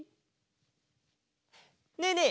ねえねえ